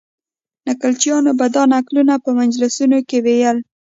نکلچیانو به دا نکلونه په مجلسونو کې ویل.